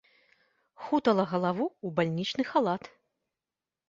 Хутала галаву ў бальнічны халат.